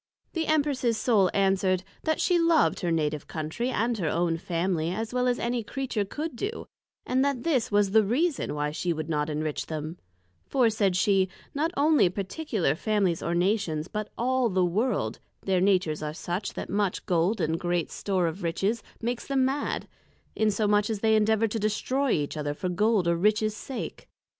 The Empress's Soul answered, That she loved her Native Countrey, and her own Family, as well as any Creature could do; and that this was the reason why she would not enrich them: for, said she, not only particular Families or Nations, but all the World, their Natures are such, that much Gold, and great store of Riches, makes them mad; insomuch as they endeavour to destroy each other for Gold or Riches sake.